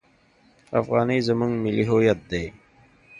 افغانۍ زموږ ملي هویت دی.